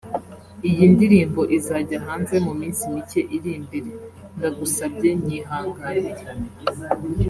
Iyi ndirimbo izajya hanze mu minsi mike iri imbere […] Ndagusabye nyihanganire